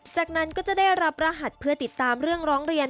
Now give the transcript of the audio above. จากนั้นก็จะได้รับรหัสเพื่อติดตามเรื่องร้องเรียน